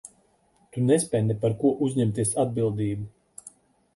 Tu nespēj ne par ko uzņemties atbildību.